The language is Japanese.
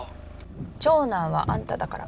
長男はあんただから。